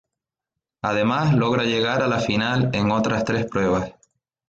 Además, logra llegar a la final en otras tres pruebas.